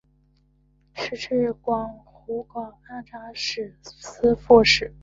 仕至湖广按察使司副使。